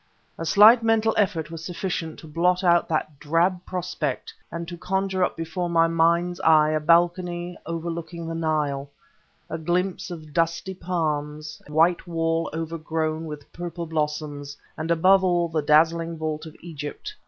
A slight mental effort was sufficient to blot out that drab prospect and to conjure up before my mind's eye a balcony overlooking the Nile a glimpse of dusty palms, a white wall overgrown with purple blossoms, and above all the dazzling vault of Egypt.